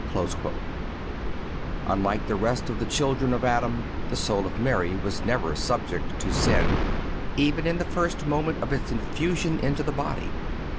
(234) Unlike the rest of the children of Adam, the soul of Mary was never subject to sin, even in the first moment of its infusion into the body.